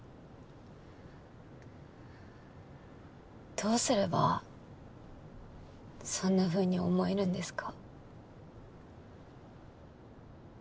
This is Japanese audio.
どうすればそんな風に思えるんですか？